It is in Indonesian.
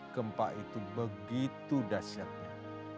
gempa itu begitu dasyatnya